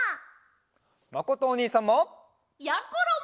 まことおにいさんも！やころも！